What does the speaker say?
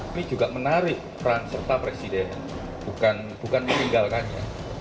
ini juga menarik peran serta presiden bukan meninggalkannya